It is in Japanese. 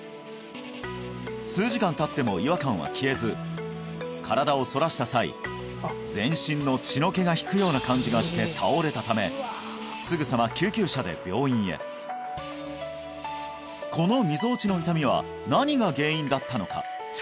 数時間たっても違和感は消えず身体を反らした際全身の血の気が引くような感じがして倒れたためすぐさまこのみぞおちの痛みは何が原因だったのか？